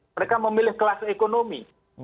mereka memilih kelas ekonomi